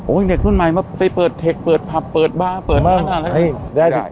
เด็กรุ่นใหม่มาไปเปิดเทคเปิดผับเปิดบาร์เปิดบ้านให้ได้